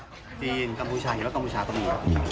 จีนกัมพูชาเห็นว่ากัมพูชาก็มี